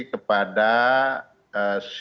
ke pemerintah indonesia